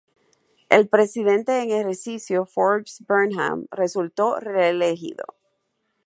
El Presidente en ejercicio Forbes Burnham resultó reelegido.